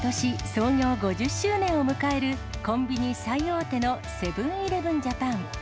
創業５０周年を迎える、コンビニ最大手のセブンーイレブン・ジャパン。